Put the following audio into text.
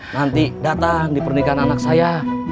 nanti datang di pernikahan anak saya